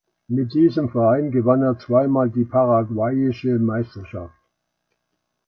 Mit diesem Verein gewann er zweimal die paraguayische Meisterschaft.